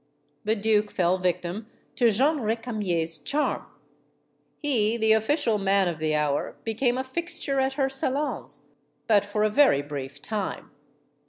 The duke fell victim to Jeanne Recamier's charm. He, the official Man of the Hour, became a fixture at her salons but for a very brief time.